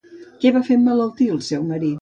Què va fer emmalaltir al seu marit?